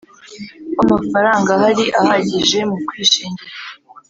W amafaranga ahari ahagije mu kwishingira